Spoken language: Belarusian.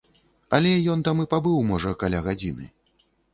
Але ён там і пабыў, можа, каля гадзіны.